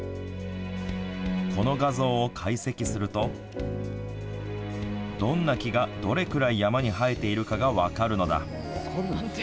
この画像を解析するとどんな木が、どれぐらい山に生えているかが分かるのだ。